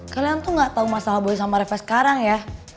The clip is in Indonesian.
kalian tuh gak tahu masalah boy sama refas sekarang ya